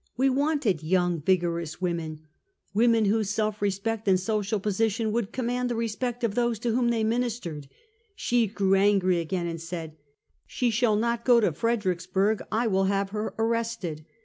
We wanted young, vigorous women — women whose self respect and social position would command the respect of those to whom they ministered. She grew angry again, and said: " She shall not go to Fredericksburg; I will have her arrested!"